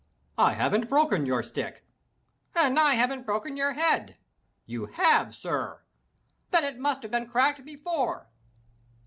"I haven't broken your stick!" "And I haven't broken your head!" "You have, sir!" "Then it must have been cracked before!"